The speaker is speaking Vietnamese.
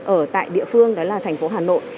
ở tại địa phương đó là thành phố hà nội